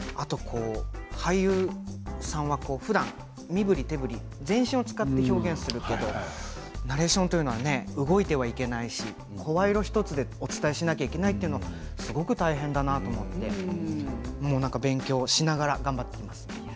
俳優さんは、ふだん身ぶり手ぶり全身を使って表現するけどナレーションというのは動いてはいけないし声色１つでお伝えしないといけないというのはすごく大変だなと思ってもう勉強しながら頑張っています。